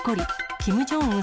キム・ジョンウン